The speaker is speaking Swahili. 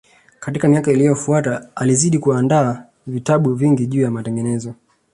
Katika miaka iliyofuata alizidi kuandika vitabu vingi juu ya matengenezo